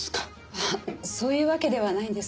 あっそういうわけではないんですけど。